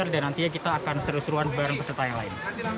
dan nantinya kita akan seru seruan bareng peserta yang lain